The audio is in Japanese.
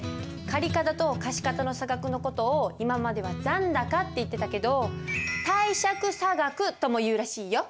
借方と貸方の差額の事を今までは「残高」って言ってたけど貸借差額とも言うらしいよ。